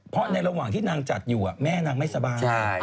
เพราะในระหว่างที่นางจัดอยู่แม่นางไม่สบาย